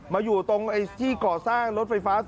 บางสะพานประจวบ